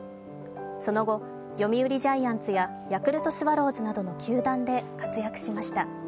その後、読売ジャイアンツやヤクルトスワローズなどの球団で活躍しました。